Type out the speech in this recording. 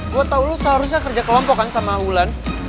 gue tahu lo seharusnya kerja kelompok kan sama ulan